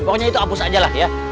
pokoknya itu apus aja lah ya